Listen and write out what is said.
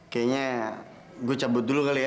kayaknya gue cabut dulu kali ya